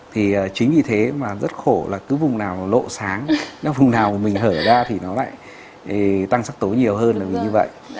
thì chính vì thế mà rất khổ là cứ vùng nào lộ sáng nó vùng nào của mình hở ra thì nó lại tăng sắc tố nhiều hơn là mình như vậy